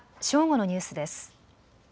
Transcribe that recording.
正午のニュースです。